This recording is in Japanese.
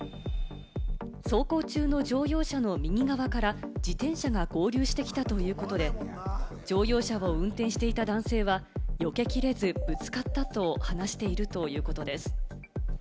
走行中の乗用車の右側から自転車が合流してきたということで、乗用車を運転していた男性は、よけきれず、ぶつかったと話しているということです。